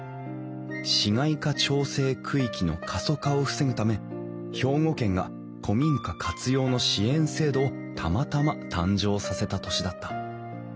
市街化調整区域の過疎化を防ぐため兵庫県が古民家活用の支援制度をたまたま誕生させた年だった。